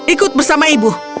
ikut bersama ibu